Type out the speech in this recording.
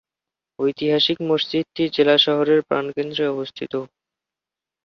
ঐতিহাসিক মসজিদটি জেলা শহরের প্রাণকেন্দ্রে অবস্থিত।